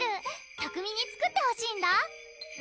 拓海に作ってほしいんだ！